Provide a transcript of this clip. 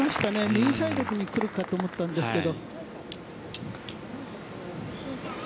右サイドに来るかと思ったんですけど。